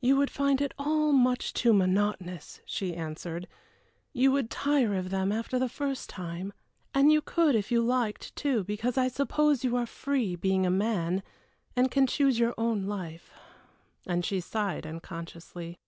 "You would find it all much too monotonous," she answered. "You would tire of them after the first time. And you could if you liked, too, because I suppose you are free, being a man, and can choose your own life," and she sighed unconsciously.